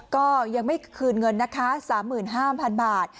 ก็ยังไม่คืนเงินนะคะสามหมื่นห้ามพันบาท